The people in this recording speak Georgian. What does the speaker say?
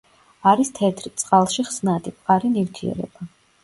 არის თეთრი, წყალში ხსნადი, მყარი ნივთიერება.